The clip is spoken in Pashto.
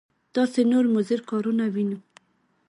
داسې نور مضر کارونه وینو.